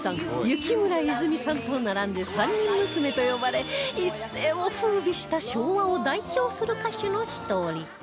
雪村いづみさんと並んで三人娘と呼ばれ一世を風靡した昭和を代表する歌手の一人